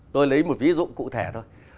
tôi lấy một ví dụ cụ thể thôi